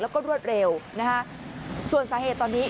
แล้วก็รวดเร็วนะฮะส่วนสาเหตุตอนนี้